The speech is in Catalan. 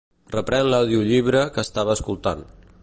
Reprèn l'audiollibre que estava escoltant.